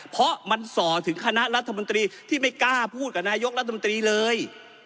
เพราะมันส่อถึงคณะรัฐมนตรีที่ไม่กล้าพูดกับนายกรัฐมนตรีเลย